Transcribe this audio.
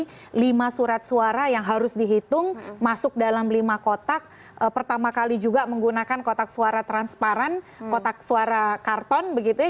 ada lima surat suara yang harus dihitung masuk dalam lima kotak pertama kali juga menggunakan kotak suara transparan kotak suara karton begitu ya